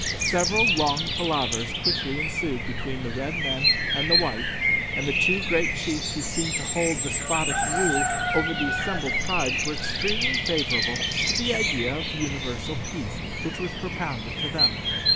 Several long palavers quickly ensued between the red men and the white, and the two great chiefs who seemed to hold despotic rule over the assembled tribes were extremely favourable to the idea of universal peace which was propounded to them.